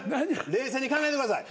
冷静に考えてください。